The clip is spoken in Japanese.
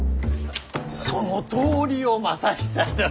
そのとおりよ昌久殿！